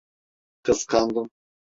Kıskandım.